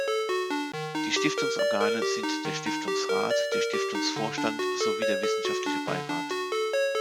Die Stiftungsorgane sind der Stiftungsrat, der Stiftungsvorstand sowie der Wissenschaftliche Beirat.